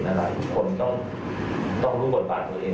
ถ้ากังหลวงถูกบัญชาบุญ